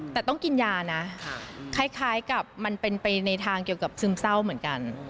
แต่ต้องกินยานะคล้ายกับมันเป็นไปในทางเกี่ยวกับซึมเศร้าเหมือนกัน